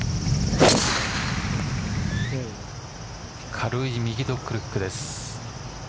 軽い右ドッグレッグです。